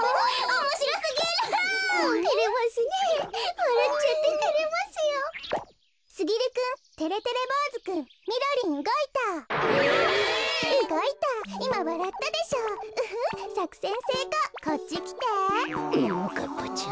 ももかっぱちゃん